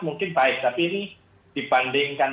mungkin baik tapi ini dibandingkan